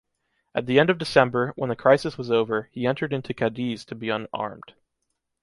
At the end of December, when the crisis was over, he entered into Cadiz to be unarmed.